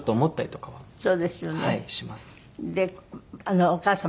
そうですよね。